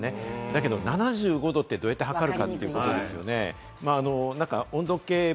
だけど７５℃って、どうやって測るのかってことですよね。